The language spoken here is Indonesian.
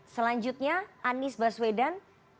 selanjutnya anies baswedan